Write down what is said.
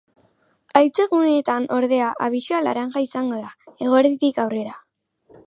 Haize-guneetan, ordea, abisua laranja izango da, eguerditik aurrera.